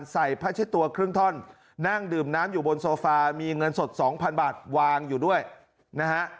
ใส่ผ้าเช็ดตัวครึ่งท่อนนั่งดื่มน้ำอยู่บนโซฟามีเงินสดสองพันบาทวางอยู่ด้วยนะฮะ